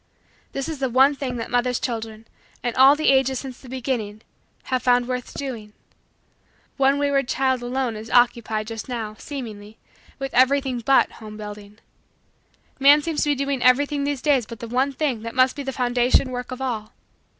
This is the one thing that Mother's children, in all the ages since the beginning, have found worth doing. One wayward child alone is occupied just now, seemingly, with everything but home building. Man seems to be doing everything these days but the one thing that must be the foundation work of all.